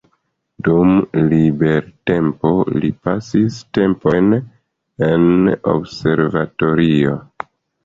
Dum libertempo li pasis tempojn en observatorio.